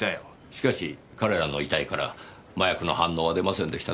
しかし彼らの遺体から麻薬の反応は出ませんでしたね。